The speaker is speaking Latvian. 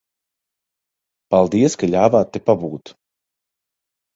Paldies, ka ļāvāt te pabūt.